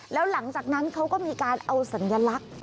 แล้วหลังจากนั้นเขาก็มีการเอาสัญลักษณ์